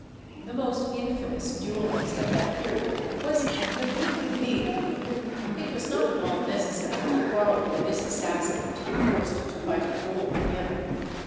_" The most infamous duellist at that period was De Bouteville. It was not at all necessary to quarrel with this assassin, to be forced to fight a duel with him.